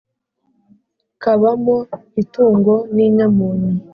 kabamo itungo n' inyamunyu